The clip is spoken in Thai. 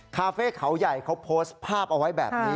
คาเฟ่เขาใหญ่เขาโพสต์ภาพเอาไว้แบบนี้